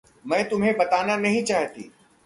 मैं तुम्हें बताना नहीं चाहती।